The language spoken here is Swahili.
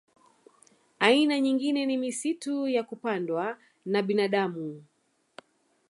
Aina nyingine ni misitu ya kupandwa na binadamu